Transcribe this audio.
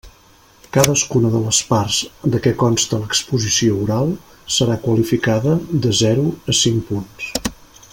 Cadascuna de les parts de què consta l'exposició oral serà qualificada de zero a cinc punts.